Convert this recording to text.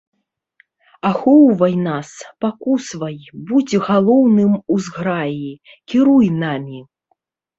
Ахоўвай нас, пакусваў, будзь галоўным у зграі, кіруй намі.